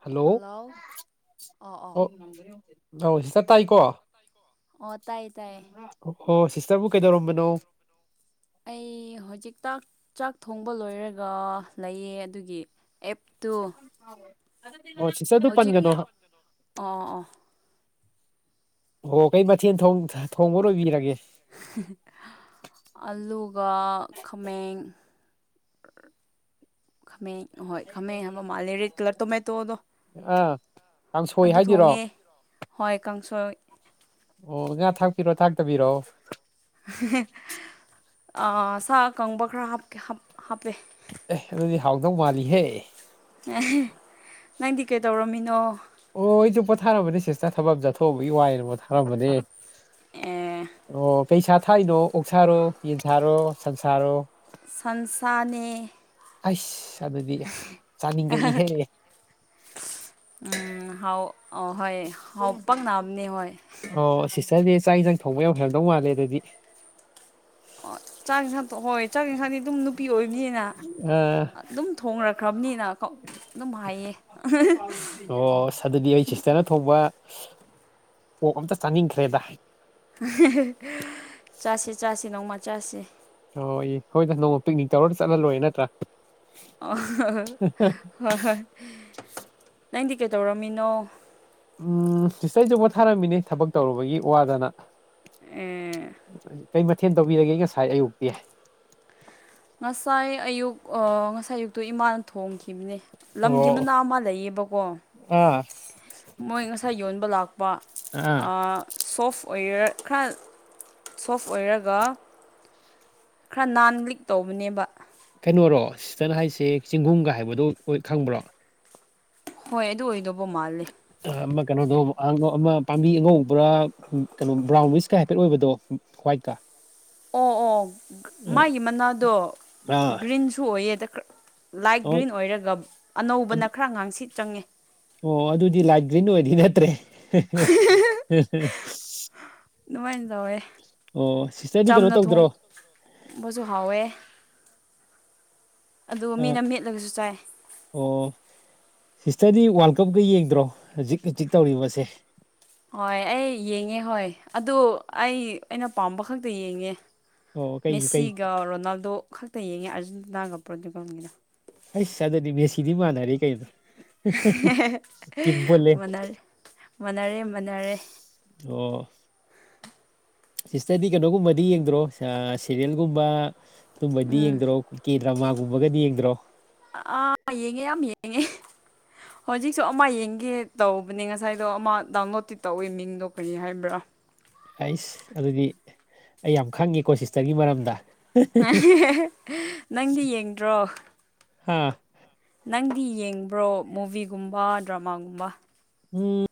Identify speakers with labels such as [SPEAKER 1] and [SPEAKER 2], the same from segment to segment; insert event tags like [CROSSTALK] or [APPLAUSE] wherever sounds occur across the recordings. [SPEAKER 1] hello
[SPEAKER 2] ꯑꯣ ꯑꯣ
[SPEAKER 1] ꯑꯣ ꯁꯤꯁ ꯇꯥꯏ
[SPEAKER 2] ꯑꯣ ꯇꯥꯏꯌꯦ ꯇꯥꯏꯌꯦ
[SPEAKER 1] ꯍꯣ ꯁꯤꯁꯇꯔꯕꯨ ꯀꯩꯗꯧꯔꯝꯕꯅꯣ
[SPEAKER 2] ꯑꯩ ꯍꯧꯖꯤꯛ ꯆꯥꯛ ꯊꯣꯡꯕ ꯂꯣꯏꯔꯒ ꯂꯩꯌꯦ ꯑꯗꯨꯒꯤ ꯑꯦꯞꯇꯨ
[SPEAKER 1] ꯑꯣ ꯁꯤ ꯁ ꯑꯗꯨ
[SPEAKER 2] ꯍꯧꯖꯤꯛ
[SPEAKER 1] ꯄꯒꯅꯣ ꯍꯥ
[SPEAKER 2] ꯑꯣ ꯑꯣ
[SPEAKER 1] ꯑꯣ ꯀꯩ ꯃꯊꯦꯜ ꯊꯣꯡꯕ ꯂꯣꯏꯕꯤꯔꯒꯦ
[SPEAKER 2] ꯑꯜꯂꯨꯒ ꯈꯥꯃꯦꯡ ꯈꯃꯥꯡ ꯍꯣꯏ ꯈꯃꯥꯡ ꯍꯥꯏꯕ ꯃꯥꯜꯂꯦ ꯔꯦꯠ ꯀꯂꯔ ꯇꯣꯃꯦ ꯇꯣꯗꯣ
[SPEAKER 1] ꯑꯥ ꯀꯥꯡꯁꯣꯏ
[SPEAKER 2] ꯑꯗꯨ ꯊꯣꯡꯉꯦ
[SPEAKER 1] ꯍꯥꯏꯗꯣꯏꯔꯣ
[SPEAKER 2] ꯍꯣꯏ ꯀꯥꯡꯁꯣꯏ
[SPEAKER 1] ꯑꯣ ꯉꯥ ꯊꯥꯛꯄꯤꯔꯣ ꯊꯥꯛꯇꯕꯤꯔꯣꯑꯣ
[SPEAKER 2] ꯑꯥ ꯁꯥ ꯑꯀꯪꯕ ꯈꯔ ꯍꯞ ꯍꯞ ꯍꯥꯞꯄꯦ
[SPEAKER 1] ꯑꯦꯗꯤ ꯍꯥꯎꯗꯥꯎ ꯃꯥꯔꯤ ꯍꯦ
[SPEAKER 2] ꯑꯦ ꯅꯪꯗꯤ ꯀꯩꯗꯧꯔꯝꯃꯤꯅꯣ
[SPEAKER 1] ꯑꯣ ꯑꯩꯁꯨ ꯄꯣꯊꯥꯔꯝꯕꯅꯦ ꯁꯤꯁꯇ ꯊꯕꯛ ꯑꯃ ꯆꯠꯊꯣꯛꯑꯕꯒꯤ ꯋꯥꯏꯅ ꯄꯣꯊꯥꯔꯝꯕꯅꯦ
[SPEAKER 2] ꯑꯦ
[SPEAKER 1] ꯑꯣ ꯀꯩ ꯁꯥ ꯊꯥꯛꯏꯅꯣ ꯑꯣꯛꯁꯥꯔꯣ ꯌꯦꯟ ꯁꯥꯥꯔꯣ ꯁꯟꯁꯥꯔꯣ
[SPEAKER 2] ꯁꯟꯁꯥꯅꯦ
[SPEAKER 1] ꯑꯁ ꯑꯗꯨꯗꯤ ꯆꯥꯅꯤꯡꯉꯦ ꯏꯍꯦ
[SPEAKER 2] ꯍꯥꯎ ꯍꯣꯏ ꯍꯥꯎ ꯄꯛꯑꯝꯅꯦ ꯍꯣꯏ
[SPEAKER 1] ꯅꯪꯗꯤ ꯆꯥꯛ ꯏꯟꯁꯥꯡ ꯊꯣꯡꯕ ꯌꯥꯝ ꯍꯩꯔꯝꯗꯧ ꯃꯥꯜꯂꯦ ꯑꯗꯨꯗꯤ
[SPEAKER 2] ꯑꯣ ꯆꯥꯛ ꯌꯦꯟꯁꯥꯡ ꯍꯣꯏ ꯆꯥꯛ ꯏꯟꯁꯥꯡꯗꯤ ꯑꯗꯨꯝ ꯅꯨꯄꯤ ꯑꯣꯏꯅꯤꯑꯅ
[SPEAKER 1] ꯑꯥ
[SPEAKER 2] ꯑꯗꯨꯝ ꯊꯣꯡꯂ
[SPEAKER 1] ꯑꯣ ꯑꯗꯨꯗꯤ ꯑꯩ ꯁꯤꯁꯇꯔꯅ ꯊꯣꯡꯕ ꯑꯣ ꯑꯝꯇ ꯆꯥꯅꯤꯡꯈ꯭ꯔꯦꯗ
[SPEAKER 2] ꯆꯥꯁꯦ
[SPEAKER 1] ꯍꯣꯏ ꯍꯣꯏꯗ ꯅꯣꯡꯃ ꯄꯤꯛꯅꯤꯛ ꯇꯧꯔ ꯆꯠꯍꯜꯂꯣꯏꯔꯦ ꯅꯠꯇ꯭ꯔꯥ
[SPEAKER 2] ꯑ ꯍꯣꯏ ꯍꯣꯏ ꯅꯪꯗꯤ ꯀꯩꯗꯧꯔꯝꯃꯤꯅꯣ
[SPEAKER 1] ꯎꯝ ꯁꯤꯇ ꯑꯩꯁꯨ ꯄ ꯊꯥꯔꯝꯃꯤꯅꯦ ꯊꯕꯛ ꯇꯧꯔꯨꯕꯒꯤ ꯋꯥꯗꯅ
[SPEAKER 2] ꯑꯦ
[SPEAKER 1] ꯀꯩ ꯃꯊꯦꯜ ꯇꯧꯕꯤꯔꯒꯦ ꯉꯁꯥꯏ ꯑꯌꯨꯛꯇꯤ
[SPEAKER 2] ꯑꯣ ꯏꯃꯥꯅ ꯊꯣꯡꯈꯤꯕꯅꯦ ꯂꯝꯒꯤ
[SPEAKER 1] ꯑꯣ
[SPEAKER 2] ꯃꯅꯥ ꯑꯃ ꯂꯩꯌꯦꯕꯀꯣ
[SPEAKER 1] ꯑꯥ
[SPEAKER 2] ꯃꯣꯏ ꯉꯁꯥꯏ ꯌꯣꯟꯕ ꯂꯥꯛꯄ
[SPEAKER 1] ꯑꯥ
[SPEAKER 2] ꯁꯣꯐꯋꯦꯌꯔ ꯈꯔ ꯁꯣꯐ ꯑꯣꯏꯔꯒ ꯈꯔ ꯅꯥꯟ ꯂꯤꯛ ꯇꯧꯕꯅꯦꯕ
[SPEAKER 1] ꯀꯩꯅꯣꯔꯣ ꯁꯤꯁꯇꯔ ꯍꯥꯏꯁꯦ ꯆꯤꯡꯒꯨꯝꯒ ꯍꯥꯏꯕꯗꯣ ꯑꯣꯏ ꯈꯪꯕ꯭ꯔꯣ
[SPEAKER 2] ꯍꯣꯏ ꯑꯗꯨ ꯑꯣꯏꯗꯧꯕ ꯃꯥꯜꯂꯦ
[SPEAKER 1] ꯥꯑꯥ ꯃꯥ ꯀꯩꯅꯣ ꯗꯣ ꯑꯥꯡ ꯑꯃ ꯄꯥꯝꯕꯤ ꯑꯉꯧꯕ꯭ꯔꯥ ꯀꯩꯅꯣ ꯕ꯭ꯔꯥꯎꯟ ꯋꯤꯁꯀ ꯍꯥꯏꯐꯦꯠ ꯑꯣꯏꯕꯗꯣ ꯋꯥꯏꯠꯀ
[SPEAKER 2] ꯑꯣ ꯑꯣ ꯃꯥꯒꯤ ꯃꯅꯥꯗꯣ
[SPEAKER 1] ꯑꯥ
[SPEAKER 2] ꯒ꯭ꯔꯤꯟꯁꯨ ꯑꯣꯏꯑꯦꯗ ꯂꯥꯏꯠ
[SPEAKER 1] ꯑꯣ
[SPEAKER 2] ꯒ꯭ꯔꯤꯟ ꯑꯣꯏꯔꯒ ꯑꯅꯧꯕꯅ ꯈꯔ ꯉꯥꯡꯁꯤꯜ ꯆꯪꯉꯦ
[SPEAKER 1] ꯑꯣ ꯑꯗꯨꯗꯤ ꯂꯥꯏꯠ ꯒ꯭ꯔꯤꯟ ꯑꯣꯏꯗꯤ ꯅꯠꯇ꯭ꯔꯦ
[SPEAKER 2] ꯑꯗꯨꯃꯥꯏꯅ ꯇꯧꯋꯦ
[SPEAKER 1] ꯑꯣ ꯁꯤꯁꯇꯔꯗꯤ ꯀꯩꯅꯣ
[SPEAKER 2] ꯆꯝꯅ ꯊꯣꯡ
[SPEAKER 1] ꯇꯧꯗ꯭ꯔꯣ
[SPEAKER 2] ꯕꯁꯨ ꯍꯥꯎꯋꯦ ꯑꯗꯨꯒ ꯃꯤꯅ ꯃꯦꯠꯂꯒꯁꯨ ꯆꯥꯏ
[SPEAKER 1] ꯁꯤꯁꯇ꯭ꯔꯗꯤ ꯋꯥꯔꯜ ꯀꯞꯀ ꯌꯦꯡꯗ꯭ꯔꯣ ꯍꯧꯖꯤꯛ ꯍꯧꯖꯤꯛ ꯇꯧꯔꯤꯕꯁꯦ
[SPEAKER 2] ꯍꯣꯏ ꯑꯩ ꯌꯦꯡꯉꯦ ꯍꯣꯏ ꯑꯗꯨ ꯑꯩ ꯑꯩꯅ ꯄꯥꯝꯕ ꯈꯛꯇ ꯌꯦꯡꯉꯦ
[SPEAKER 1] ꯑꯣ ꯀꯩ ꯀꯩ
[SPEAKER 2] ꯃꯦꯁꯤꯒ ꯔꯣꯅꯥꯜꯗꯣ ꯈꯛꯇ ꯌꯦꯡꯉꯦ ꯑꯥꯔꯖꯦꯟꯇꯤꯅꯥꯒ ꯄ꯭ꯔꯣꯇꯨꯀꯜꯒ
[SPEAKER 1] ꯍꯁ ꯑꯗꯨꯗꯤ ꯃꯦꯁꯤꯗꯤ ꯃꯥꯟꯅꯔꯦ ꯀꯩꯩꯅꯣ
[SPEAKER 2] ꯍꯦꯍꯦꯍꯦ
[SPEAKER 1] ꯄꯨꯜꯂꯦ
[SPEAKER 2] ꯃꯅꯥ ꯃꯅꯥꯔꯦ ꯃꯅꯥꯔꯦ
[SPEAKER 1] ꯑꯣ ꯁꯤꯁꯇ꯭ꯔꯗꯤ ꯀꯩꯅꯣꯒꯨꯝꯕꯗꯤ ꯌꯦꯡꯗ꯭ꯔꯣ ꯑ ꯁꯦꯔꯦꯜꯒꯨꯝꯕ ꯑꯗꯨꯝꯕꯩꯗꯤ
[SPEAKER 2] ꯎꯝ
[SPEAKER 1] ꯌꯦꯡꯗ꯭ꯔꯣ ꯀꯦ ꯗ꯭ꯔꯃꯥꯒꯨꯝꯕꯒꯗꯤ ꯌꯦꯡꯗ꯭ꯔꯣ
[SPEAKER 2] ꯑꯥ ꯌꯦꯡꯉꯦ ꯌꯥꯝ ꯌꯦꯡꯉꯦ ꯍꯧꯖꯤꯛꯁꯨ ꯑꯃ ꯌꯦꯡꯒꯦ ꯇꯧ ꯕꯅꯦ ꯉꯁꯥꯏꯗꯣ ꯑꯃ ꯗꯥꯎꯟꯂꯣꯗꯇꯤ ꯇꯧꯏ ꯃꯤꯡꯗꯣ ꯀꯔꯤ ꯍꯥꯏꯕ꯭ꯔꯥ
[SPEAKER 1] ꯍꯩꯁ ꯑꯗꯨꯗꯤ ꯑꯩ ꯌꯥꯝ ꯈꯪꯉꯦꯀꯣ ꯁꯤꯁꯇ꯭ꯔꯒꯤ ꯃꯔꯝꯗ
[SPEAKER 2] ꯅꯪꯗꯤ ꯌꯦꯡꯗ꯭ꯔꯣ
[SPEAKER 1] ꯍꯥꯥ
[SPEAKER 2] ꯅꯪꯗꯤ ꯌꯦꯡꯕ꯭ꯔꯣ ꯃꯨꯚꯤꯒꯨꯝꯕ ꯗ꯭ꯔꯃꯥꯒꯨꯝꯕ
[SPEAKER 1] ꯎꯝ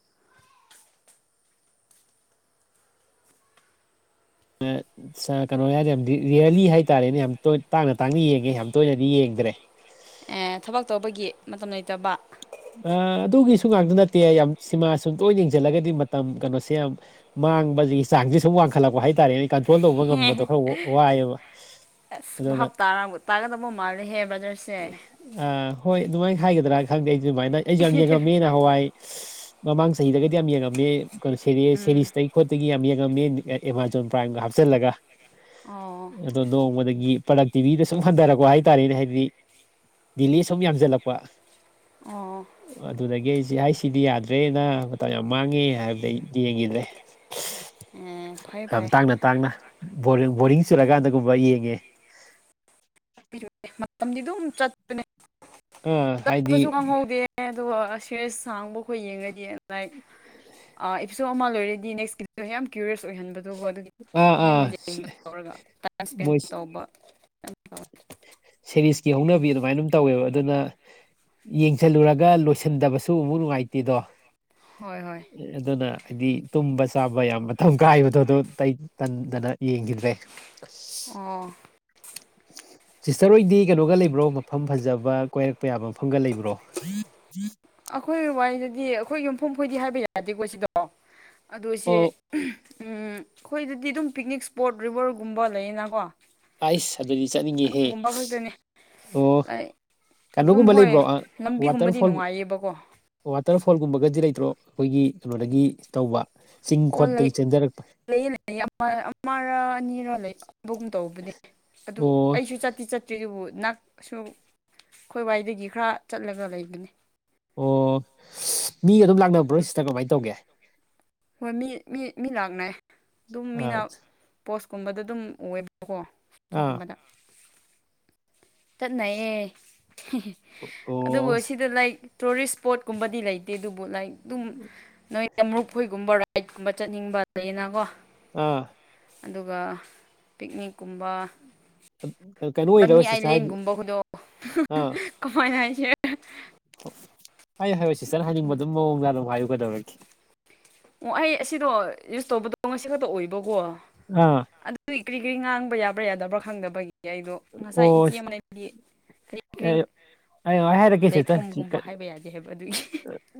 [SPEAKER 1] ꯑ ꯁ ꯀꯩꯅꯣ ꯍꯥꯏꯔꯗꯤ ꯌꯥꯝ ꯔꯤꯌꯔꯂꯤ ꯍꯥꯏꯇꯥꯔꯦꯅꯦ ꯌꯥꯝ ꯇꯥꯡꯅ ꯇꯥꯡꯅ ꯌꯦꯡꯉꯦ ꯌꯥꯝ ꯇꯣꯏꯅꯗꯤ ꯌꯦꯡ ꯗ꯭ꯔꯦ
[SPEAKER 2] ꯑꯦ ꯊꯕꯛ ꯇꯧꯕꯒꯤ ꯃꯇꯝ ꯂꯩꯇꯕ
[SPEAKER 1] ꯑꯥ ꯑꯗꯨꯒꯤꯁꯨ ꯉꯥꯛꯇ ꯅꯠꯇꯦ ꯌꯥꯝ ꯁꯤꯃꯥ ꯁꯨꯝ ꯇꯣꯏꯅ ꯌꯦꯡꯖꯤꯜꯂꯒꯗꯤ ꯃꯇꯝ ꯀꯩꯅꯣꯁꯦ ꯌꯥꯝ ꯃꯥꯡꯕꯖꯤꯒꯤ ꯆꯥꯡꯁꯦ ꯁꯨꯝ ꯋꯥꯡꯈꯠꯂꯛꯄ ꯍꯥꯏ ꯇꯥꯔꯦ ꯀꯟꯇ꯭ꯔꯣꯜ ꯇꯧꯕ ꯉꯝꯕꯗꯣ ꯈꯔ ꯋꯥꯏꯌꯦꯕ
[SPEAKER 2] ꯑꯁ
[SPEAKER 1] ꯑꯗꯨꯅ
[SPEAKER 2] ꯚꯥꯞ ꯇꯥꯔꯕ ꯇꯥꯒꯗꯕ ꯃꯥꯜꯂꯦꯍꯦ ꯕ꯭ꯔꯗꯔꯁꯦ
[SPEAKER 1] ꯑꯥ ꯍꯣꯏ ꯑꯗꯨꯃꯥꯏꯅ ꯍꯥꯏꯒꯗ꯭ꯔꯥ ꯈꯪꯗꯦ ꯑꯩꯁꯨ ꯑꯗꯨꯃꯥꯏꯅ ꯑꯩꯁꯨ ꯌꯥꯝ ꯌꯦꯡꯉꯝꯃꯦ ꯅꯍꯥꯟꯋꯥꯏ ꯁꯤ ꯃꯃꯥꯡ ꯆꯍꯤꯗꯒꯗꯤ ꯌꯥꯝ ꯌꯦꯡꯉꯝꯃꯦ ꯀꯩꯅꯣ
[SPEAKER 2] ꯎꯝ
[SPEAKER 1] ꯁꯦꯔꯤꯁꯇꯒꯤ ꯈꯣꯠꯇꯒꯤ ꯌꯥꯝ ꯌꯦꯡꯉꯝꯃꯦ ꯑꯦꯃꯥꯖꯣꯟ ꯄ꯭ꯔꯥꯏꯝꯒ ꯍꯥꯞꯆꯤꯜꯂꯒ
[SPEAKER 2] ꯑꯣ
[SPEAKER 1] ꯑꯗꯣ ꯅꯣꯡꯃꯗꯒꯤ ꯄ꯭ꯔꯗꯛꯇꯤꯚꯤꯗ ꯁꯨꯝ ꯍꯟꯊꯔꯛꯄ ꯍꯥꯏꯇꯥꯔꯦꯅꯦ ꯍꯥꯏꯗꯤ ꯗꯤꯜꯂꯦ ꯁꯨꯝ ꯌꯥꯝꯖꯤꯜꯂꯛꯄ
[SPEAKER 2] ꯑꯣ
[SPEAKER 1] ꯑꯗꯨꯗꯒꯤ ꯑꯩꯁꯤ ꯍꯥꯏ ꯁꯤꯗꯤ ꯌꯥꯗ꯭ꯔꯦꯅ ꯃꯇꯝ ꯌꯥꯝ ꯃꯥꯡꯉꯦ ꯍꯥꯏꯕꯗ ꯌꯦꯡꯈꯤꯗ꯭ꯔꯦ
[SPEAKER 2] ꯑꯦ ꯐꯩ
[SPEAKER 1] ꯌꯥꯝ
[SPEAKER 2] ꯐꯩ
[SPEAKER 1] ꯇꯥꯡꯅ ꯇꯥꯡꯅ ꯕꯣ ꯕꯣꯔꯤꯡ ꯆꯨꯔꯀꯥꯟꯗꯒꯨꯝꯕ ꯌꯦꯡꯉꯦ
[SPEAKER 2] ꯚꯝꯗꯤꯑꯣ ꯃꯇꯝꯗꯤ ꯑꯗꯨꯝ ꯆꯠꯄꯅꯦ
[SPEAKER 1] ꯑꯥ
[SPEAKER 2] ꯆꯠꯄꯁꯨ
[SPEAKER 1] ꯍꯥꯏꯗꯤ
[SPEAKER 2] ꯈꯪꯍꯧꯗꯦ ꯑꯗꯨꯒ ꯐꯔꯦꯁ ꯁꯥꯡꯕ ꯑꯩꯈꯣꯏ ꯌꯦꯡꯉꯗꯤ ꯂꯥꯏꯛ ꯑꯦꯄꯤꯁꯣꯠ ꯑꯃ ꯂꯣꯏꯔꯗꯤ ꯅꯦꯛꯁꯀꯤꯗꯣ ꯌꯥꯝ ꯀ꯭ꯌꯨꯔꯤꯌꯁ ꯑꯣꯏꯍꯟꯕꯗꯣꯕꯨ ꯑꯗꯨꯒꯤ
[SPEAKER 1] ꯑꯥ ꯑꯥ
[SPEAKER 2] ꯍꯦꯟꯅ ꯌꯦꯡꯕ ꯇꯧꯔꯒ ꯇꯥꯏꯝ ꯏꯁꯄꯦꯟ
[SPEAKER 1] ꯃꯣꯏ
[SPEAKER 2] ꯇꯧꯕ
[SPEAKER 1] ꯁꯦꯔꯤꯁꯀꯤ ꯍꯧꯅꯕꯤ ꯑꯗꯨꯃꯥꯏꯅ ꯑꯗꯨꯝ ꯇꯧꯋꯦꯕ ꯑꯗꯨꯅ ꯌꯦꯡ ꯖꯤꯜꯂꯨꯔꯒ ꯂꯣꯏꯁꯤꯟꯗꯕꯁꯨ ꯑꯃꯨꯛ ꯅꯨꯡꯉꯥꯏꯇꯦꯗꯣ
[SPEAKER 2] ꯍꯣꯏ ꯍꯣꯏ
[SPEAKER 1] ꯑꯗꯨꯅ ꯍꯥꯏꯗꯤ ꯇꯨꯝꯕ ꯆꯥꯕ ꯌꯥꯝ ꯃꯇꯝ ꯀꯥꯏꯕꯗꯣ ꯑꯗꯨ ꯇꯩꯇꯟꯗꯅ ꯌꯦꯡꯒꯤꯗ꯭ꯔꯦ
[SPEAKER 2] ꯑꯣ
[SPEAKER 1] [INAUDIBLE] ꯁꯤꯁꯇꯔ ꯍꯣꯏꯗꯤ ꯀꯩꯅꯣꯒ ꯂꯩꯕ꯭ꯔꯣ ꯃꯐꯝ ꯐꯖꯕ ꯀꯣꯏꯔꯛꯄ ꯌꯥꯕ ꯃꯐꯝꯒ ꯂꯩꯕ꯭ꯔꯣ
[SPEAKER 2] ꯑꯈꯣꯏ ꯋꯥꯏꯗꯗꯤ ꯑꯈꯣꯏ ꯌꯨꯝꯐꯝ ꯈꯣꯏꯗꯤ ꯍꯥꯏꯕ ꯌꯥꯗꯦꯀꯣ ꯁꯤꯗꯣ ꯑꯗꯨꯏꯁꯦ
[SPEAKER 1] ꯑꯣ
[SPEAKER 2] ꯎꯝ ꯑꯈꯣꯏꯗꯗꯤ ꯑꯗꯨꯝ ꯄꯤꯛꯅꯤꯛ ꯏꯁ꯭ꯄꯣꯠ ꯔꯤꯕ꯭ꯔꯒꯨꯝꯕ ꯂꯩꯌꯦꯅꯀꯣ
[SPEAKER 1] ꯑꯩꯁ ꯑꯗꯨꯗꯤ ꯆꯠꯅꯤꯡꯉꯦꯍꯦ
[SPEAKER 2] ꯑꯗꯨꯒꯨꯝꯕ ꯈꯛꯇꯅꯤ
[SPEAKER 1] ꯑꯣ
[SPEAKER 2] ꯂꯥꯏꯛ ꯑꯗꯨꯝ
[SPEAKER 1] ꯀꯩꯅꯣꯒꯨꯝꯕ
[SPEAKER 2] ꯍꯣꯏ
[SPEAKER 1] ꯂꯩꯕ꯭ꯔꯣ ꯑ
[SPEAKER 2] ꯂꯝꯕꯤꯒꯨꯝꯕꯗꯤ
[SPEAKER 1] ꯋꯥꯇ꯭ꯔꯐꯣꯜ
[SPEAKER 2] ꯅꯨꯡꯉꯥꯏꯌꯦꯕꯀꯣ
[SPEAKER 1] ꯋꯥꯇꯔꯐꯣꯜꯒꯨꯝꯕꯒꯗꯤ ꯂꯩꯇ꯭ꯔꯣ ꯑꯈꯣꯏꯒꯤ ꯀꯩꯅꯣꯗꯒꯤ ꯇꯧꯕ ꯆꯤꯡ
[SPEAKER 2] ꯑꯣ ꯂꯩ
[SPEAKER 1] ꯈꯣꯠꯇꯒꯤ ꯆꯦꯟꯗꯔꯛ
[SPEAKER 2] ꯂꯩꯌꯦ ꯂꯩꯌꯦ ꯑꯃꯔ ꯑꯃꯔ ꯑꯅꯤꯔ ꯂꯩꯕꯒꯨꯝ ꯇꯧꯕꯅꯦ ꯑꯗꯨ
[SPEAKER 1] ꯑꯣ
[SPEAKER 2] ꯑꯩꯁꯨ ꯆꯠ ꯆꯠꯇꯤ ꯆꯠꯇ꯭ꯔꯤ ꯑꯗꯨꯕꯨ ꯅꯛꯁꯨ ꯈꯣꯏꯋꯥꯏꯗꯒꯤ ꯈꯔ ꯆꯠꯂꯒ ꯂꯩꯕꯅꯤ
[SPEAKER 1] ꯑꯣ ꯃꯤ ꯑꯗꯨꯝ ꯂꯥꯛꯅꯕ꯭ꯔꯣ ꯁꯤꯁꯇꯔ ꯀꯃꯥꯏ ꯇꯧꯒꯦ
[SPEAKER 2] ꯍꯣꯏ ꯃꯤ ꯃꯤ ꯃꯤ ꯂꯥꯛꯅꯩ ꯑꯗꯨꯝ ꯃꯤꯅ
[SPEAKER 1] ꯑꯥ
[SPEAKER 2] ꯄꯣꯁꯀꯨꯝꯕꯗ ꯑꯗꯨꯝ ꯑꯣꯌꯦ ꯀꯣ
[SPEAKER 1] ꯑꯥ
[SPEAKER 2] ꯑꯗꯨꯒꯨꯝꯕꯗ ꯆꯠꯅꯩꯌꯦ ꯍꯦ ꯍꯦ ꯑꯗꯨꯕꯨ
[SPEAKER 1] ꯑꯣ
[SPEAKER 2] ꯁꯤꯗ ꯂꯩ ꯇꯨꯔꯤꯁ ꯁ꯭ꯄꯣꯠꯀꯨꯝꯕꯗꯤ ꯂꯩꯇꯦ ꯑꯗꯨꯕꯨ ꯂꯥꯏꯛ ꯑꯗꯨꯝ ꯅꯣꯏ ꯑꯃ꯭ꯔꯨꯛ ꯒꯨꯝꯕ ꯔꯥꯏꯠꯀꯨꯝꯕ ꯆꯠꯅꯤꯡꯕ ꯂꯩꯅꯀꯣ
[SPEAKER 1] ꯑꯥ
[SPEAKER 2] ꯑꯗꯨꯒ ꯄꯤꯛꯅꯤꯛꯀꯨꯝꯕ
[SPEAKER 1] ꯀꯩꯅꯣ
[SPEAKER 2] ꯕꯅꯤ
[SPEAKER 1] ꯑꯣꯏꯔꯕ ꯁꯤꯁꯇꯔ ꯍꯥꯏꯗꯤ
[SPEAKER 2] ꯑꯥꯏꯂꯦꯟꯒꯨꯝꯕ ꯈꯨꯗꯣ
[SPEAKER 1] ꯑꯥ
[SPEAKER 2] [UNINTELLIGIBLE] ꯀꯃꯥꯏꯅ ꯍꯥꯏꯁꯤꯔꯥ
[SPEAKER 1] ꯍꯥꯏꯌꯣ ꯍꯥꯏꯌꯣ ꯁꯤꯁꯇꯔꯅ ꯍꯥꯏꯅꯤꯡꯕ ꯑꯗꯨꯝ ꯃꯑꯣꯡꯗ ꯑꯗꯨꯝ ꯍꯥꯏꯌꯨ ꯀꯗꯧꯔꯒꯦ
[SPEAKER 2] ꯑꯣ ꯑꯩ ꯑꯁꯤꯗꯣ ꯌꯨꯁ ꯇꯧꯕꯗꯣ ꯉꯁꯤ ꯈꯛꯇ ꯑꯣꯏꯕꯀꯣ
[SPEAKER 1] ꯑꯥ
[SPEAKER 2] ꯀ꯭ꯔꯤ ꯀ꯭ꯔꯤ ꯉꯥꯡꯕ ꯌꯥꯕ꯭ꯔ ꯌꯥꯗꯕ꯭ꯔ ꯈꯪꯗꯕꯒꯤ ꯌꯥꯏꯗꯣ ꯉꯁꯥꯏ
[SPEAKER 1] ꯑꯣ
[SPEAKER 2] ꯏꯆꯦ ꯑꯃꯅꯗꯤ ꯀ꯭ꯔꯤ ꯀ꯭ꯔꯤꯡ
[SPEAKER 1] ꯑꯦ ꯑꯩ [UNINTELLIGIBLE] ꯍꯥꯏꯔꯛꯀꯦ ꯁꯤꯁꯇꯔ ꯁꯤ ꯀ
[SPEAKER 2] ꯍꯥꯏꯕ ꯑꯗꯨꯒꯤ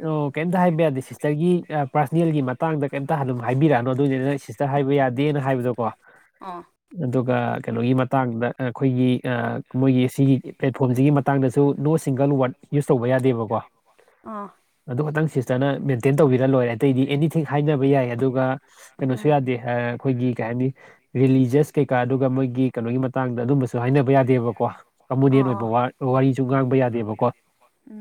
[SPEAKER 1] ꯑꯣ ꯀꯦꯝꯇ ꯍꯥꯏꯕ ꯌꯥꯗꯦ ꯁꯤꯁꯇꯔꯒꯤ ꯄꯥꯔꯁꯅꯦꯜꯒꯤ ꯃꯇꯥꯡꯗ ꯀꯦꯝꯇ ꯑꯗꯨꯝ ꯍꯥꯏꯕꯤꯔꯛꯑꯅꯣ ꯑꯗꯨꯗꯤ ꯅꯪ ꯁꯤꯁꯇꯔ ꯍꯥꯏꯕ ꯌꯥꯗꯦꯅ ꯍꯥꯏꯕꯗꯣ ꯀꯣ
[SPEAKER 2] ꯑꯥ
[SPEAKER 1] ꯑꯥ ꯀꯩꯅꯣꯒꯤ ꯃꯇꯥꯡꯗ ꯑꯥ ꯈꯣꯏꯒꯤ ꯑꯥ ꯃꯣꯏꯒꯤ ꯁꯤꯒꯤ ꯄ꯭ꯂꯦꯠꯐꯣꯝꯖꯤꯒꯤ ꯃꯇꯥꯡꯗꯁꯨ ꯅꯣ ꯁꯤꯡꯒꯜ ꯋꯥꯔꯗ ꯌꯨꯁ ꯇꯧꯕ ꯌꯥꯗꯦꯕꯀꯣ
[SPEAKER 2] ꯑꯥ
[SPEAKER 1] ꯑꯗꯨ ꯈꯇꯪ ꯁꯤꯁꯇꯔꯅ ꯃꯦꯟꯇꯦꯟ ꯇꯧꯕꯤꯔ ꯂꯣꯏꯔꯦ ꯑꯇꯩꯗꯤ ꯑꯦꯅꯤꯊꯤꯡ ꯍꯥꯏꯅꯕ ꯌꯥꯏ ꯑꯗꯨꯒ ꯀꯩꯅꯣꯁꯨ
[SPEAKER 2] ꯑꯥ
[SPEAKER 1] ꯌꯥꯗꯦ ꯑꯥ ꯑꯥ ꯑꯈꯣꯏꯒꯤ ꯀꯩ ꯍꯥꯏꯅꯤ ꯔꯦꯂꯤꯖꯤꯌꯁ ꯀꯩꯀꯥ ꯑꯗꯨꯒ ꯃꯣꯏꯒꯤ ꯀꯅꯣꯒꯤ ꯃꯇꯥꯡ ꯇꯥꯡꯗ ꯑꯗꯨꯝꯕꯁꯨ ꯍꯥꯏꯅꯕ ꯌꯥꯗꯦꯕꯀꯣ
[SPEAKER 2] ꯑꯥ
[SPEAKER 1] ꯀꯃꯨꯅꯦꯟ ꯑꯣꯏꯕ
[SPEAKER 2] ꯑꯥ
[SPEAKER 1] ꯋꯥꯔꯤꯖꯨ ꯉꯥꯡꯕ ꯌꯥꯗꯦꯕꯀꯣ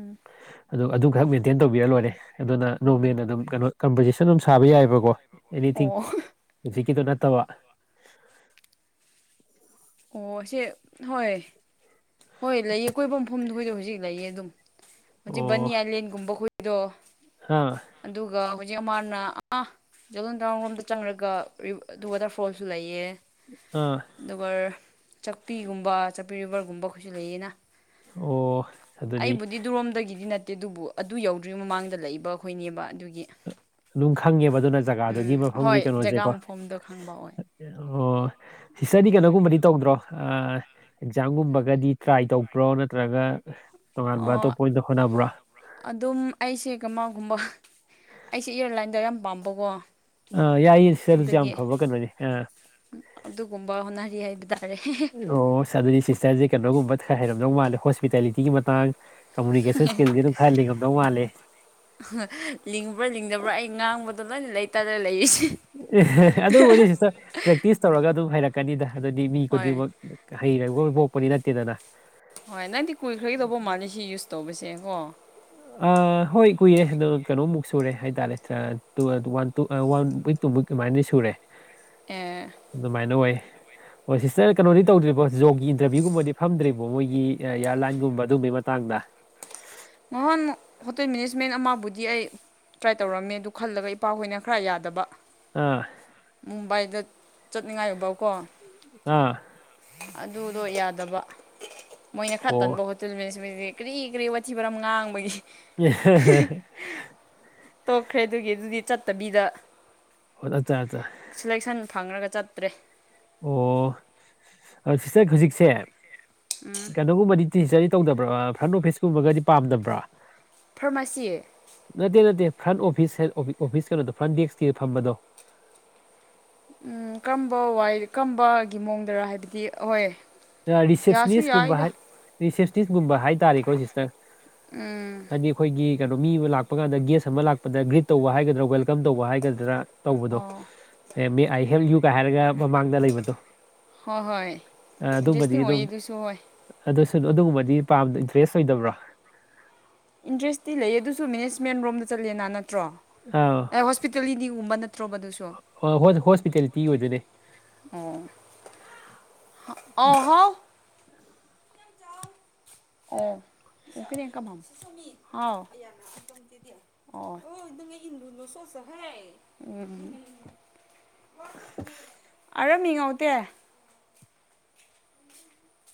[SPEAKER 2] [INAUDIBLE]
[SPEAKER 1] ꯑꯗꯨ ꯑꯗꯨꯈꯛ ꯃꯦꯟꯇꯦꯟ ꯇꯧꯕꯤꯔ ꯂꯣꯏꯔꯦ ꯑꯗꯨꯅ
[SPEAKER 2] ꯑꯣ
[SPEAKER 1] ꯅꯣꯔꯃꯦꯟ ꯑꯗꯨꯝ ꯀꯅꯣ ꯀꯝꯚꯔꯖꯦꯁꯟ ꯑꯗꯨꯝ ꯁꯥꯕ ꯌꯥꯏꯌꯦꯕꯀꯣ
[SPEAKER 2] ꯑꯣ [UNINTELLIGIBLE]
[SPEAKER 1] ꯍꯨꯖꯤꯛꯀꯤꯗꯣ ꯅꯠꯇꯕ
[SPEAKER 2] ꯑꯣ ꯁꯦ ꯍꯣꯏ ꯍꯣꯏ ꯂꯩꯌꯦ ꯀꯣꯏꯕ ꯃꯐꯝꯗꯣ ꯍꯧꯖꯤꯛ ꯂꯩꯌꯦ ꯑꯗꯨꯝ ꯍꯧꯖꯤꯛ ꯕꯅꯤ
[SPEAKER 1] ꯑꯣ
[SPEAKER 2] ꯑꯥꯏꯂꯦꯟꯒꯨꯝꯕ ꯈꯣꯏꯗꯣ
[SPEAKER 1] ꯑꯥ
[SPEAKER 2] ꯑꯗꯨꯒ ꯖꯤꯛ ꯑꯃꯥꯅ ꯑꯥ ꯖꯒꯟꯗꯥꯥꯎꯟꯔꯣꯝꯗ ꯆꯪꯔꯒ ꯑꯗꯨ ꯋꯥꯇꯔꯐꯣꯜꯁꯨ ꯂꯩꯌꯦ
[SPEAKER 1] ꯑꯥ
[SPEAKER 2] ꯆꯛꯄꯤꯒꯨꯝꯕ ꯆꯛꯄꯤ ꯔꯤꯚꯔꯒꯨꯝꯕꯈꯣꯏꯁꯨ ꯂꯩꯌꯦꯅ
[SPEAKER 1] ꯑꯣ ꯑꯗꯨꯗꯤ
[SPEAKER 2] ꯑꯩꯕꯨꯗꯤ ꯗꯨꯔꯣꯝꯗꯒꯤꯗꯤ ꯅꯠ ꯇꯦ ꯑꯗꯨꯕꯨ ꯑꯗꯨ ꯌꯧꯗ꯭ꯔꯤ ꯃꯃꯥꯡꯗ ꯂꯩꯕ ꯑꯩꯈꯣꯏꯅꯦꯕ ꯑꯗꯨꯒꯤ
[SPEAKER 1] ꯑꯗꯨꯝ ꯈꯪꯉꯦꯕ ꯑꯗꯨꯅ
[SPEAKER 2] ꯎꯝ
[SPEAKER 1] ꯖꯒꯥꯗꯨꯒꯤ ꯃꯐꯝꯒꯤ
[SPEAKER 2] ꯍꯣꯏ ꯖꯒꯥ
[SPEAKER 1] ꯀꯩꯅꯣꯖꯦꯀꯣ
[SPEAKER 2] ꯃꯐꯝꯗꯣ ꯈꯪꯕ ꯑꯣꯏ
[SPEAKER 1] ꯑꯣ ꯁꯤꯁꯇꯔꯗꯤ ꯀꯅꯣꯒꯨꯝꯕꯗꯤ ꯇꯧꯗ꯭ꯔꯣ ꯑꯥ ꯑꯦꯛꯖꯥꯝꯒꯨꯝꯕꯒꯗꯤ ꯇ꯭ꯔꯥꯏ ꯇꯧꯕ꯭ꯔꯣ ꯅꯠꯇ꯭ꯔꯒ ꯇꯣꯉꯥꯟꯕ
[SPEAKER 2] ꯑꯣ
[SPEAKER 1] ꯑꯇꯣꯞꯄ ꯑꯣꯏꯅ ꯍꯣꯠꯅꯕ꯭ꯔꯣ
[SPEAKER 2] ꯑꯗꯨꯝ ꯑꯩꯁꯦ ꯀꯃꯥꯒꯨꯝꯕ ꯑꯩꯁꯦ ꯏꯌꯔꯂꯥꯏꯟꯗ ꯌꯥꯝ ꯄꯥꯝꯕꯀꯣ
[SPEAKER 1] ꯑ ꯌꯥꯏꯌꯦ ꯁꯤꯁꯇꯔ ꯑꯗꯨꯁꯨ ꯌꯥꯝ
[SPEAKER 2] ꯑꯗꯨꯒꯤ
[SPEAKER 1] ꯐꯕ ꯀꯩꯅꯣꯅꯤ ꯑꯥ
[SPEAKER 2] ꯑꯗꯨꯒꯨꯝꯕ ꯍꯣꯠꯅꯔꯤ ꯍꯥꯏꯕ ꯇꯥꯔꯦ
[SPEAKER 1] ꯂꯣꯁ ꯑꯗꯨꯗꯤ ꯁꯤꯁꯇꯔꯁꯦ ꯀꯅꯣꯒꯨꯝꯕ ꯈꯔ ꯍꯩꯔꯝꯗꯧ ꯃꯥꯜꯂꯦ ꯍꯣꯁꯄꯤꯇꯥꯂꯤꯇꯤꯒꯤ ꯃꯇꯥꯡ ꯀꯃꯨꯅꯤꯀꯦꯁꯟ ꯁ꯭ꯀꯤꯜꯗꯤ ꯑꯗꯨꯝ ꯈꯔ ꯂꯤꯡꯉꯝꯗꯧ ꯃꯥꯜꯂꯦ
[SPEAKER 2] ꯂꯤꯡꯕ꯭ꯔꯥ ꯂꯤꯡꯗꯕ꯭ꯔꯥ ꯑꯩ ꯉꯥꯡꯕꯗꯣ ꯂꯣꯏꯅ ꯂꯩꯇꯔ ꯂꯩꯔꯤꯁꯦ
[SPEAKER 1] ꯑꯦ ꯍꯦ ꯍꯦ ꯑꯗꯨꯕꯨꯗꯤ ꯁꯤꯁꯇꯔ ꯄ꯭ꯔꯦꯛꯇꯤꯁ ꯇꯧꯔꯒ ꯑꯗꯨꯝ ꯍꯩꯔꯛꯀꯅꯤꯗ ꯑꯗꯨꯗꯤ ꯃꯤ
[SPEAKER 2] ꯍꯣꯏ
[SPEAKER 1] ꯈꯨꯗꯤꯡꯃꯛ ꯍꯩꯔꯒ ꯄꯣꯛꯄꯗꯤ ꯅꯠꯇꯦꯗꯅ
[SPEAKER 2] ꯍꯣꯏ ꯅꯪꯗꯤ ꯀꯨꯏꯈ꯭ꯔꯒꯩ ꯇꯧꯕ ꯃꯥꯜꯂꯦ ꯁꯤ ꯌꯨꯁ ꯇꯧꯕꯁꯦ ꯉꯣ
[SPEAKER 1] ꯑꯥ ꯍꯣꯏ ꯀꯨꯏꯔꯦ ꯑꯗꯣ ꯀꯅꯣꯃꯨꯛ ꯁꯨꯔꯦ ꯍꯥꯏꯇꯥꯔꯦ two one two one week two week ꯑꯃꯥꯏꯅꯗꯤ ꯁꯨꯔꯦ
[SPEAKER 2] ꯑꯦ
[SPEAKER 1] ꯑꯗꯨꯃꯥꯏꯅ ꯑꯣꯏ
[SPEAKER 2] [UNINTELLIGIBLE]
[SPEAKER 1] ꯍꯣꯏ ꯁꯤꯁꯇꯔ ꯀꯩꯅꯣꯗꯤ ꯇꯧꯗ꯭ꯔꯤꯕꯣ ꯖꯣꯕꯒꯤ ꯏꯟꯇꯔꯚꯤꯌꯨꯒꯨꯝꯕꯗꯤ ꯐꯝꯗ꯭ꯔꯤꯕꯣ ꯃꯣꯏꯒꯤ ꯏꯌꯔꯂꯥꯏꯟꯒꯨꯝꯕ ꯑꯗꯨꯝꯕꯒꯤ ꯃꯇꯥꯡꯗ
[SPEAKER 2] ꯅꯍꯥꯟꯃꯨꯛ ꯍꯣꯇꯦꯜ ꯃꯦꯅꯦꯖꯃꯦꯟ ꯑꯃꯕꯨꯗꯤ ꯑꯩ ꯇ꯭ꯔꯥꯏ ꯇꯧꯔꯝꯃꯦ ꯑꯗꯨ ꯈꯜꯂꯒ ꯏꯄꯥꯍꯣꯏꯅ ꯈꯔ ꯌꯥꯗꯕ
[SPEAKER 1] ꯑꯥ
[SPEAKER 2] ꯃꯨꯝꯕꯥꯏꯗ ꯆꯠꯅꯤꯡꯉꯥꯏꯕꯧꯀꯣ
[SPEAKER 1] ꯑꯥ
[SPEAKER 2] ꯑꯗꯨꯗꯣ ꯌꯥꯗꯕ ꯃꯣꯏꯅ ꯈꯔ
[SPEAKER 1] ꯑꯣ ꯑꯣ,
[SPEAKER 2] ꯇꯟꯕ ꯍꯣꯇꯦꯜ ꯃꯦꯅꯦꯖꯃꯦꯟꯖꯦ ꯀ꯭ꯔꯤ ꯀ꯭ꯔꯤ ꯋꯩꯩ ꯋꯥꯊꯤ ꯋꯥꯔꯝ ꯉꯥꯡꯕꯒꯤ
[SPEAKER 1] ꯑꯠꯆꯥ
[SPEAKER 2] [UNINTELLIGIBLE] ꯇꯣꯛꯈ꯭ꯔꯦ ꯑꯗꯨꯒꯤ ꯑꯗꯨꯗꯤ ꯆꯠ ꯇꯕꯤꯗ
[SPEAKER 1] ꯍꯣꯠ ꯑꯠꯆꯥ ꯑꯆꯥ
[SPEAKER 2] ꯐꯪꯔꯒ ꯆꯠꯇ꯭ꯔꯦ
[SPEAKER 1] ꯑꯣ ꯑ ꯁꯤꯁꯇꯔ ꯍꯨꯖꯤꯛꯁꯦ
[SPEAKER 2] ꯎꯝ
[SPEAKER 1] ꯀꯅꯣꯒꯨꯝꯕꯗꯤ [UNINTELLIGIBLE] ꯇꯧꯗꯕ꯭ꯔꯥ ꯐ꯭ꯔꯟ ꯑꯣꯐꯤꯁꯀꯨꯝꯕꯒꯗꯤ ꯄꯥꯝꯗꯕ꯭ꯔꯥ
[SPEAKER 2] ꯐꯔꯃꯥꯁꯤ
[SPEAKER 1] ꯅꯠꯇꯦ ꯅꯠꯇꯦ ꯐ꯭ꯔꯟ ꯑꯣꯐꯤꯁ ꯑꯣꯐꯤꯁ ꯀꯩꯅꯣꯗꯣ ꯐ꯭ꯔꯟ ꯗꯦꯛꯁꯀꯤ ꯐꯝꯕꯗꯣ
[SPEAKER 2] ꯎꯝ ꯀꯔꯝꯕ ꯋꯥꯏ ꯀꯔꯝꯕꯒꯤ ꯃꯑꯣꯡꯗꯔ ꯍꯥꯏꯕꯗꯤ ꯍꯣꯏ ꯌꯥꯁꯨ
[SPEAKER 1] ꯔꯤꯁꯦꯞꯁꯅꯤꯁꯀꯨꯝꯕ
[SPEAKER 2] ꯌꯥꯏꯗ
[SPEAKER 1] ꯍꯥꯏ ꯔꯤꯁꯦꯞꯁꯅꯤꯁꯀꯨꯝꯕ ꯍꯥꯏꯇꯥꯔꯦꯀꯣ ꯁꯤꯁꯇꯔ
[SPEAKER 2] ꯎꯝ
[SPEAKER 1] ꯍꯥꯏꯗꯤ ꯑꯈꯣꯏꯒꯤ ꯀꯩꯅꯣ ꯃꯤ ꯑꯃ ꯂꯥꯛꯄ ꯀꯥꯟꯗ ꯒꯦꯁ ꯑꯃ ꯂꯥꯛꯄꯗ ꯒ꯭ꯔꯤꯠ ꯇꯧꯕ ꯍꯥꯏꯒꯗ꯭ꯔꯥ ꯋꯦꯜꯀꯝ ꯇꯧꯕ ꯍꯥꯏꯒꯗ꯭ꯔꯥ ꯇꯧꯕꯗꯣ
[SPEAKER 2] ꯑꯣ
[SPEAKER 1] ꯑꯦ ꯃꯦ ꯑꯥꯏ ꯍꯦꯜꯞ ꯌꯨꯒ ꯍꯥꯏꯔꯒ ꯃꯃꯥꯡꯗ ꯂꯩꯕꯗꯣ
[SPEAKER 2] ꯍꯣ ꯍꯣꯏ
[SPEAKER 1] ꯑꯗꯨꯝꯕꯗꯤ
[SPEAKER 2] ꯏꯟꯇꯔꯦꯁꯇꯤꯡ
[SPEAKER 1] ꯑꯗꯨꯝ
[SPEAKER 2] ꯑꯣꯏꯌꯦ ꯑꯗꯨꯁꯨ ꯍꯣꯏ
[SPEAKER 1] ꯑꯗꯨꯁꯨ ꯑꯗꯨꯒꯨꯝꯕꯗꯤ ꯄꯥꯝ ꯏꯟꯇꯔꯦꯁ ꯑꯣꯏꯗꯕ꯭ꯔꯥ
[SPEAKER 2] ꯏꯟꯇ꯭ꯔꯦꯁꯇꯤ ꯂꯩ ꯑꯗꯨꯁꯨ ꯃꯦꯅꯦꯖꯃꯦꯟ ꯔꯣꯝꯗ ꯆꯠꯂꯦꯅꯥ ꯅ ꯅꯠꯇ꯭ꯔꯣ
[SPEAKER 1] ꯑꯥ
[SPEAKER 2] ꯑꯦ ꯍꯣꯁꯄꯤꯇꯥꯜꯂꯤꯇꯤꯒꯨꯝꯕ ꯅꯠꯇ꯭ꯔꯣ ꯃꯗꯨꯁꯨ
[SPEAKER 1] ꯍꯣꯁꯄꯤꯇꯦꯂꯤꯇꯤ ꯑꯣꯏꯗꯣꯏꯅꯦ
[SPEAKER 2] ꯎꯝ ꯑꯣ ꯍꯥꯎ ꯑꯣ [UNINTELLIGIBLE] [UNINTELLIGIBLE] [UNINTELLIGIBLE]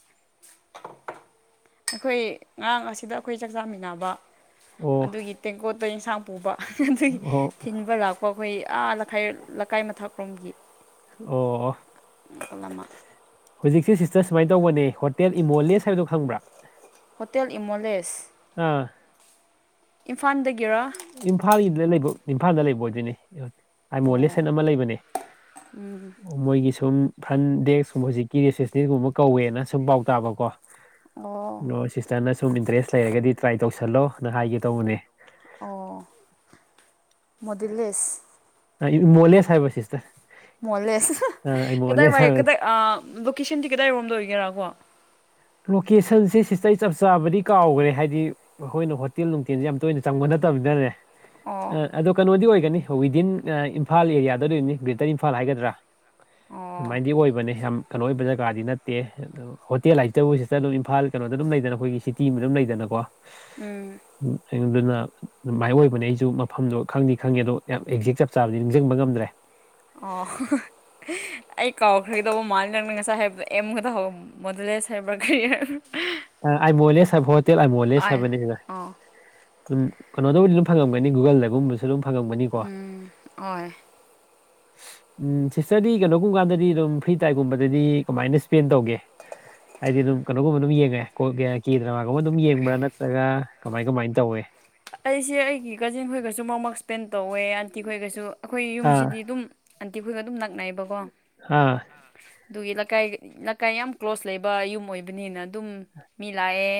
[SPEAKER 2] ꯑꯈꯣꯏ ꯉꯔꯥꯡ ꯑꯁꯤꯗ ꯑꯈꯣꯏ ꯆꯥꯛꯆꯥꯃꯤꯟꯅꯕ
[SPEAKER 1] ꯑꯣ
[SPEAKER 2] ꯑꯗꯨꯒꯤ ꯇꯦꯡꯀꯣꯠꯇꯣ ꯏꯟꯁꯥꯡ ꯄꯨꯕ ꯑꯗꯨꯒꯤ
[SPEAKER 1] ꯑꯣ
[SPEAKER 2] ꯊꯤꯟꯕ ꯂꯥꯛꯄ ꯑꯈꯣꯏ ꯑꯥ ꯈꯥꯏ ꯂꯩꯀꯥꯏ ꯃꯊꯛꯔꯣꯝꯒꯤ
[SPEAKER 1] ꯑꯣ
[SPEAKER 2] ꯃꯈꯜ ꯑꯃ
[SPEAKER 1] ꯍꯧꯖꯤꯛꯁꯦ ꯁꯤꯁꯇꯔ ꯁꯨꯃꯥꯏꯅ ꯇꯧꯕꯅꯦ ꯍꯣꯇꯦꯜ ꯏꯃꯣꯂꯦꯁ ꯍꯥꯏꯕꯗꯣ ꯈꯪꯕ꯭ꯔꯥ
[SPEAKER 2] ꯍꯣꯇꯦꯜ ꯏꯃꯣꯂꯦꯁ
[SPEAKER 1] ꯑꯥ
[SPEAKER 2] ꯏꯝꯐꯥꯜꯗꯒꯤꯔꯥ
[SPEAKER 1] ꯏꯝꯐꯥꯜꯒꯤꯗ ꯂꯩꯕ ꯏꯝꯐꯥꯜꯗ ꯂꯩꯕ ꯑꯣꯏꯗꯣꯏꯅꯦ
[SPEAKER 2] ꯑꯣ
[SPEAKER 1] ꯑꯥꯏꯃꯣꯂꯦꯁꯅ ꯑꯃ ꯂꯩꯕꯅꯦ
[SPEAKER 2] ꯎꯝ
[SPEAKER 1] ꯃꯣꯏꯒꯤ ꯁꯨꯝ ꯐ꯭ꯔꯟ ꯗꯦꯛꯁꯀꯨꯝꯕ ꯍꯧꯖꯤꯛꯀꯤ ꯔꯤꯁꯦꯞꯁꯅꯤꯁꯒꯨꯝꯕ ꯀꯧꯋꯦꯅ ꯁꯨꯝ ꯄꯥꯎ ꯇꯥꯕꯀꯣ
[SPEAKER 2] ꯑꯣ
[SPEAKER 1] ꯑꯗꯣ ꯁꯤꯁꯇꯔꯅ ꯁꯨꯝ ꯏꯟꯇꯔꯦꯁ ꯂꯩꯔꯒꯗꯤ ꯇ꯭ꯔꯥꯏ ꯇꯧꯁꯜꯂꯣꯅ ꯍꯥꯏꯒꯦ ꯇꯧꯕꯅꯦ
[SPEAKER 2] ꯑꯣ ꯃꯣꯗꯤꯂꯤꯁ
[SPEAKER 1] ꯑꯥ ꯏꯃꯣꯂꯦꯁ ꯍꯥꯏꯕ ꯁꯤꯁꯇꯔ
[SPEAKER 2] ꯃꯣꯂꯦꯁ
[SPEAKER 1] ꯑꯥ ꯏꯃꯣꯂꯦꯁ
[SPEAKER 2] ꯀꯗꯥꯏꯋꯥꯏ
[SPEAKER 1] ꯍꯥꯏꯕ
[SPEAKER 2] ꯀꯗꯥꯏ ꯑꯥ ꯂꯣꯀꯦꯁꯟꯗꯤ ꯀꯗꯥꯏꯔꯣꯝꯗ ꯑꯣꯏꯒꯦꯔꯥ ꯀꯣ
[SPEAKER 1] ꯂꯣꯀꯦꯁꯟꯁꯦ ꯁꯤꯁꯇ ꯆꯞ ꯆꯥꯕꯗꯤ ꯀꯥꯎꯈ꯭ꯔꯦ ꯍꯥꯏꯗꯤ ꯑꯩꯈꯣꯏꯅ ꯍꯣꯇꯦꯜ ꯅꯨꯡꯇꯦꯜꯁꯦ ꯌꯥꯝ ꯇꯣꯏꯅ ꯆꯪꯕ ꯅꯠꯇ ꯇꯝꯅꯤꯅꯅꯦ
[SPEAKER 2] ꯑꯣ
[SPEAKER 1] ꯑꯗꯣ ꯀꯩꯅꯣꯗꯤ ꯑꯣꯏꯒꯅꯤ ꯋꯤꯗꯤꯟ ꯏꯝꯐꯥꯜ ꯑꯦꯔꯤꯌꯥꯗꯗꯤ ꯑꯣꯏꯅꯤ ꯒ꯭ꯔꯦꯇꯔ ꯏꯝꯐꯥꯜ ꯍꯥꯏꯒꯗ꯭ꯔꯥ
[SPEAKER 2] ꯑꯣ
[SPEAKER 1] ꯑꯗꯨꯃꯥꯏꯅꯗꯤ ꯑꯣꯏꯕꯅꯦ ꯌꯥꯝ ꯀꯩꯅꯣ ꯑꯣꯏꯕ ꯖꯒꯥꯗꯤ ꯅꯠꯇꯦ ꯑꯗꯣ ꯍꯣꯇꯦꯜ ꯍꯥꯏ ꯑꯗꯨꯕꯨ ꯁꯤꯁꯇꯔ ꯑꯗꯨꯝ ꯏꯝꯐꯥꯜ ꯀꯩꯅꯣꯗ ꯑꯗꯨꯝ ꯂꯩꯗꯅ ꯑꯈꯣꯏꯒꯤ ꯁꯤꯇꯤꯗ ꯑꯗꯨꯝ ꯂꯩꯗꯅꯀꯣ
[SPEAKER 2] ꯎꯝ
[SPEAKER 1] ꯎ ꯑꯗꯨꯅ ꯑꯗꯨ ꯃꯥꯏ ꯑꯣꯏꯕꯅꯦ ꯑꯩꯁꯨ ꯃꯐꯝꯗꯣ ꯈꯪꯗꯤ ꯈꯪꯉꯦ ꯑꯗꯣ ꯌꯥꯝ ꯑꯦꯛꯖꯦꯛ ꯆꯞ ꯆꯥꯕꯗꯤ ꯅꯤꯡꯁꯤꯡꯕ ꯉꯝꯗ꯭ꯔꯦ
[SPEAKER 2] ꯑꯣ ꯑꯩ ꯀꯥꯎꯈ꯭ꯔꯒꯦꯗꯧꯕ ꯃꯥꯜꯜꯂꯤ ꯅꯪꯅ ꯉꯁꯥꯏ ꯍꯥꯏ ꯑꯦꯝ ꯈꯛꯇ ꯃꯗꯨꯂꯦꯁ ꯍꯥꯏꯕꯔ ꯀꯔꯤꯌꯔ
[SPEAKER 1] ꯑꯥ ꯑꯩ ꯃꯣꯂꯦ ꯁꯕ ꯍꯣꯇꯦꯜ ꯑꯩ ꯃꯣꯂꯦ
[SPEAKER 2] ꯑꯥꯏ
[SPEAKER 1] ꯁꯕꯅꯤꯅ
[SPEAKER 2] ꯑꯣ
[SPEAKER 1] ꯎꯝ ꯀꯩꯅꯣꯗꯕꯨꯗꯤ ꯑꯗꯨꯝ ꯐꯪꯉꯝꯒꯅꯤ ꯒꯨꯒꯜꯗꯒꯨꯝꯕꯁꯨ ꯑꯗꯨꯝ ꯐꯪꯉꯝꯒꯅꯤꯀꯣ
[SPEAKER 2] ꯎꯝ ꯍꯣꯏ
[SPEAKER 1] ꯎꯝ ꯁꯤꯁꯇꯔꯗꯤ ꯀꯩꯅꯣꯒꯨꯝꯕ ꯀꯥꯟꯗꯗꯤ ꯑꯗꯨꯝ ꯐ꯭ꯔꯤ ꯇꯥꯏꯝꯒꯨꯝꯕꯗꯗꯤ ꯀꯃꯥꯏꯅ ꯏꯁꯄꯦꯟ ꯇꯧꯒꯦ ꯍꯥꯏꯗꯤ ꯑꯗꯨꯝ ꯀꯩꯅꯣꯒꯨꯝꯕ ꯑꯗꯨꯝ ꯌꯦꯡꯉꯦ ꯀꯦ ꯗ꯭ꯔꯃꯥꯒꯨꯝꯕ ꯑꯗꯨꯝ ꯌꯦꯡꯕ꯭ꯔꯥ ꯅꯠꯇ꯭ꯔꯒ ꯀꯃꯥꯏ ꯀꯃꯥꯏꯅ ꯇꯧꯏ
[SPEAKER 2] ꯑꯩꯁꯦ ꯑꯩꯒꯤ ꯀꯥꯖꯤꯟ ꯈꯣꯏꯒꯁꯨ ꯃꯛ ꯃꯛ ꯁ꯭ꯄꯦꯟ ꯇꯧꯋꯦ ꯑꯟꯇꯤ ꯈꯣꯏꯒꯁꯨ ꯑꯈꯣꯏ
[SPEAKER 1] ꯑꯥ
[SPEAKER 2] ꯌꯨꯝꯁꯤꯗꯤ ꯑꯗꯨꯝ ꯑꯟꯇꯤ ꯈꯣꯏꯒ ꯑꯗꯨꯝ ꯅꯛꯅꯩꯌꯦꯕꯀꯣ
[SPEAKER 1] ꯍꯥ
[SPEAKER 2] ꯑꯗꯨꯒꯤ ꯂꯩꯀꯥꯏ ꯂꯩꯀꯥꯏ ꯌꯥꯝ ꯀ꯭ꯂꯣꯖ ꯂꯩꯕ ꯌꯨꯝ ꯑꯣꯏꯕꯅꯤꯅ ꯑꯗꯨꯝ ꯃꯤ ꯂꯥꯛꯑꯦ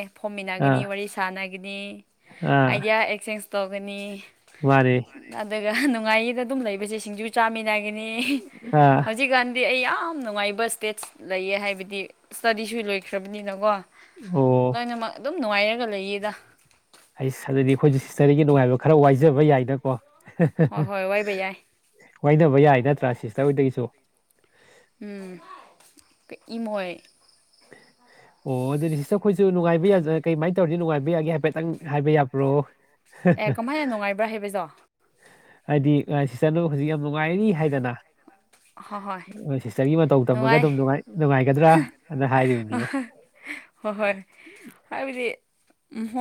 [SPEAKER 1] ꯑꯥ
[SPEAKER 2] ꯐꯣꯝꯃꯤꯟꯅꯒꯅꯤ ꯋꯥꯔꯤ ꯁꯥꯟꯅꯒꯅꯤ ꯑꯥꯏꯗꯤꯌꯥ ꯑꯦꯛꯆꯦꯟꯖ ꯇꯧꯒꯅꯤ
[SPEAKER 1] ꯋꯥꯔꯦ
[SPEAKER 2] ꯑꯗꯨꯒ ꯅꯨꯡꯉꯥꯏꯌꯦꯗ ꯑꯗꯨꯝ ꯂꯩꯕꯁꯦ ꯁꯤꯡꯖꯨ ꯆꯥꯃꯤꯟꯅꯒꯅꯤ
[SPEAKER 1] ꯑꯥ
[SPEAKER 2] ꯍꯧꯖꯤꯛꯀꯥꯟꯗꯤ ꯑꯩ ꯌꯥꯝ ꯅꯨꯡꯉꯥꯏꯕ ꯁ꯭ꯇꯦꯠꯁ ꯂꯩꯌꯦ ꯍꯥꯏꯕꯗꯤ ꯁ꯭ꯇꯗꯤꯁꯨ ꯂꯣꯏꯈ꯭ꯔꯕꯅꯤꯅꯀꯣ
[SPEAKER 1] ꯑꯣ
[SPEAKER 2] ꯂꯣꯏꯅꯃꯛ ꯑꯗꯨꯝ ꯅꯨꯡꯉꯥꯏꯔꯒ ꯂꯩꯌꯦꯗ
[SPEAKER 1] ꯍꯩꯁ ꯑꯗꯨꯗꯤ ꯑꯩꯈꯣꯏꯁꯨ ꯍꯤꯁꯇꯔꯒꯤ ꯅꯨꯡꯉꯥꯏꯕ ꯈꯔ ꯋꯥꯏꯖꯕ ꯌꯥꯏꯅꯀꯣ
[SPEAKER 2] ꯍꯣꯏ ꯍꯣꯏ ꯋꯥꯏꯕ ꯌꯥꯏ
[SPEAKER 1] ꯋꯥꯏꯅꯕ ꯌꯥꯏ ꯅꯠꯇ꯭ꯔ ꯁꯤꯁꯇꯔ ꯍꯣꯏꯗꯒꯤꯁꯨ
[SPEAKER 2] ꯎꯝ ꯏꯃꯣꯏ
[SPEAKER 1] ꯑꯣ ꯑꯗꯨꯗꯤ ꯁꯤꯁꯇꯔ ꯈꯣꯏꯁꯨ ꯅꯨꯡꯉꯥꯏꯕ ꯌꯥꯖ ꯀꯩ ꯃꯥꯏꯅ ꯇꯧꯔꯤꯗꯤ ꯅꯨꯡꯉꯥꯏꯕ ꯌꯥꯒꯦ ꯍꯥꯏꯐꯦꯠꯇꯪ ꯍꯥꯏꯕ ꯌꯥꯕ꯭ꯔꯣ
[SPEAKER 2] ꯑꯦ ꯀꯃꯥꯏꯅ ꯅꯨꯡꯉꯥꯏꯕ꯭ꯔ ꯍꯩꯕꯖꯣ
[SPEAKER 1] ꯍꯥꯏꯗꯤ ꯁꯤꯁꯇꯔꯗꯣ ꯍꯧꯖꯤꯛ ꯌꯥꯝ ꯅꯨꯡꯉꯥꯏꯔꯤ ꯍꯥꯏꯗꯅ
[SPEAKER 2] [INAUDIBLE]
[SPEAKER 1] ꯍꯣꯏ ꯁꯤꯁꯇꯔꯒꯤ ꯃꯇꯧ ꯇꯝꯃꯒ
[SPEAKER 2] ꯅꯨꯡꯉꯥꯏ
[SPEAKER 1] ꯑꯗꯨꯝ ꯅꯨꯡꯉꯥꯏꯒꯗ꯭ꯔꯅ ꯍꯥꯏꯔꯤꯕꯅꯤꯗ
[SPEAKER 2] ꯍꯣꯏ ꯍꯣꯏ ꯍꯥꯏꯕꯗꯤ ꯎꯝꯍꯣꯏ